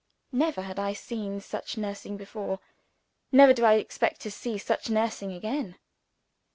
Never had I seen such nursing before never do I expect to see such nursing again.